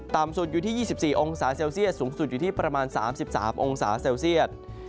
สุดอยู่ที่๒๔องศาเซลเซียสสูงสุดอยู่ที่ประมาณ๓๓องศาเซลเซียต